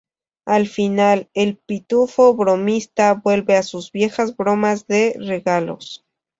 Al final, el Pitufo Bromista vuelve a sus viejas bromas de regalos.